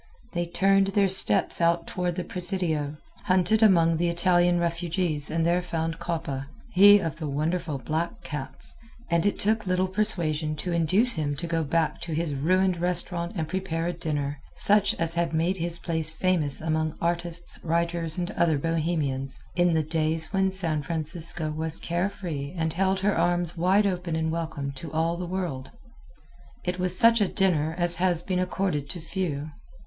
They turned their steps out toward the Presidio, hunted among the Italian refugees and there found Coppa he of the wonderful black cats, and it took little persuasion to induce him to go back to his ruined restaurant and prepare a dinner, such as had made his place famous among artists, writers, and other Bohemians, in the days when San Francisco was care free and held her arms wide open in welcome to all the world. It was such a dinner as has been accorded to few.